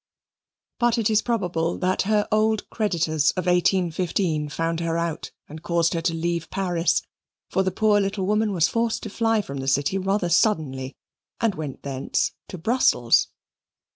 But it is probable that her old creditors of 1815 found her out and caused her to leave Paris, for the poor little woman was forced to fly from the city rather suddenly, and went thence to Brussels.